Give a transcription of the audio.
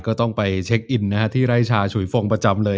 ก็ต้องไปเช็คอินนะฮะที่ไร่ชาฉุยฟงประจำเลย